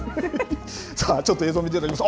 ちょっと映像見ていただきます。